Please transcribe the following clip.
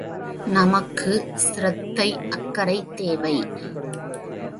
நமக்கு சிரத்தை அக்கறை தேவை!